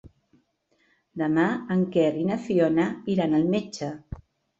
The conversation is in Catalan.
Demà en Quer i na Fiona iran al metge.